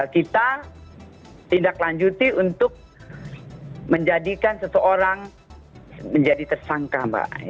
kita tindak lanjuti untuk menjadikan seseorang menjadi tersangka mbak